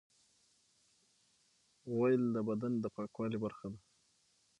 غول د بدن د پاکوالي برخه ده.